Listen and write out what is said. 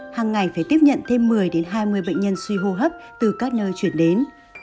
hàng ngày phải tiếp nhận thêm một mươi hai mươi bệnh nhân suy hô hấp từ các nơi chuyển đến